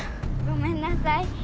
ごめんなさい。